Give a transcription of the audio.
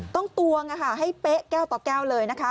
ตวงให้เป๊ะแก้วต่อแก้วเลยนะคะ